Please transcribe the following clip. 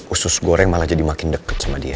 usus goreng malah jadi makin deket sama dia